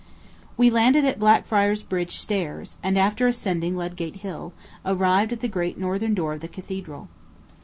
We landed at Blackfriars Bridge Stairs; and, after ascending Ludgate Hill, arrived at the great northern door of the cathedral.